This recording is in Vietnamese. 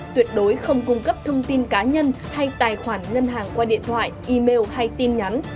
tuyệt đối không cung cấp thông tin cá nhân hay tài khoản ngân hàng qua điện thoại email hay tin nhắn